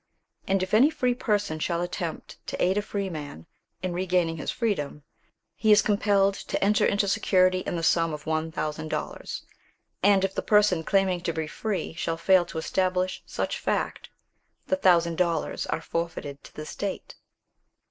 And if any free person shall attempt to aid a freeman in re gaining his freedom, he is compelled to enter into security in the sum of one thousand dollars, and if the person claiming to be free shall fail to establish such fact, the thousand dollars are forfeited to the state.